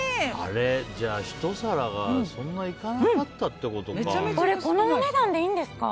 じゃあ、ひと皿がそんなにいかなかったってことか。